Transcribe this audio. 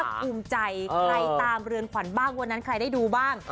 ถ้าคุ้มใจใครตามเรือนฝันบ้างวันนั้นใครได้ดูบ้าง